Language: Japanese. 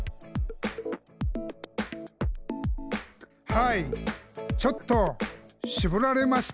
「はいちょっとしぼられましたね！」